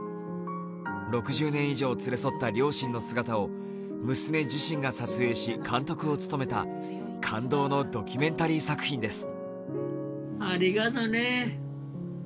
６０年以上連れ添った両親の姿を娘自身が撮影し監督を務めた感動のドキュメンタリー作品です。